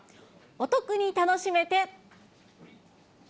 お得に楽しめて。